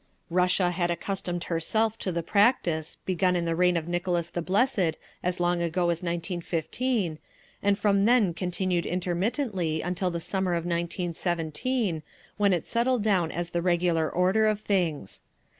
_ Russia had accustomed herself to the practice, begun in the reign of Nicholas the Blessed as long ago as 1915, and from then continued intermittently until the summer of 1917, when it settled down as the regular order of things.